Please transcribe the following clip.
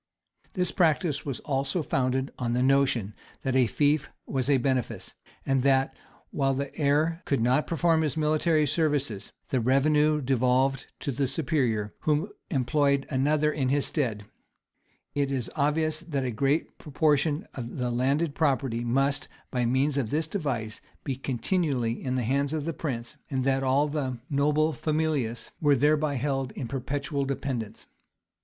This practice was also founded on the notion that a fief was a benefice, and that, while the heir could not perform his military services, the revenue devolved to the superior, who employed another in his stead. It is obvious that a great proportion of the landed property must, by means of this device, be continually in the hands of the prince, and that all the noble familius were thereby held in perpetual dependence.